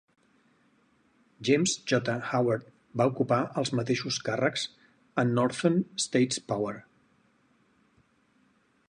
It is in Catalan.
James J. Howard va ocupar els mateixos càrrecs a Northern States Power.